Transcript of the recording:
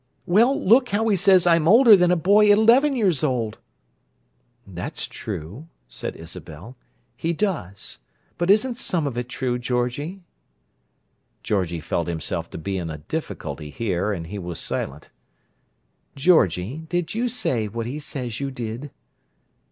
"Well, look how he says I'm older than a boy eleven years old." "That's true," said Isabel. "He does. But isn't some of it true, Georgie?" Georgie felt himself to be in a difficulty here, and he was silent. "Georgie, did you say what he says you did?"